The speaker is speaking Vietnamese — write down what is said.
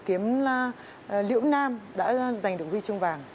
việt nam đã giành được huy chương vàng